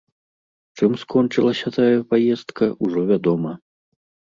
Чым скончылася тая паездка, ужо вядома.